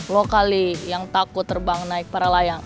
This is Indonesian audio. lo kali yang takut terbang naik para layang